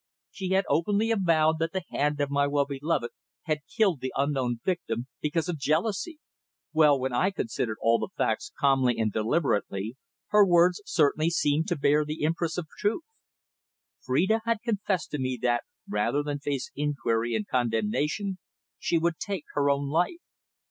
She had openly avowed that the hand of my well beloved had killed the unknown victim because of jealousy. Well, when I considered all the facts calmly and deliberately, her words certainly seemed to bear the impress of truth. Phrida had confessed to me that, rather than face inquiry and condemnation she would take her own life.